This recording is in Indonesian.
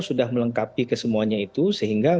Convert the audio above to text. sudah melengkapi kesemuanya itu sehingga